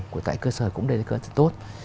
của tại cơ sở cũng đều là cơ sở tốt